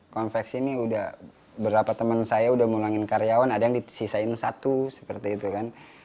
konveksi ini udah berapa teman saya udah mulangin karyawan ada yang disisain satu seperti itu kan